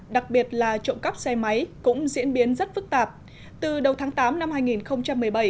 đặc biệt là trộm cắp xe máy cũng diễn biến rất phức tạp từ đầu tháng tám năm hai nghìn một mươi bảy